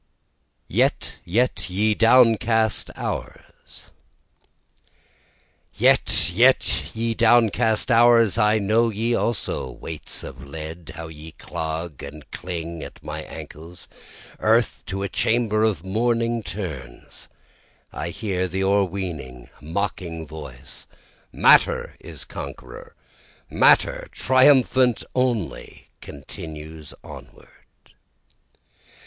Yet, Yet, Ye Downcast Hours Yet, yet, ye downcast hours, I know ye also, Weights of lead, how ye clog and cling at my ankles, Earth to a chamber of mourning turns I hear the o'erweening, mocking voice, Matter is conqueror matter, triumphant only, continues onward.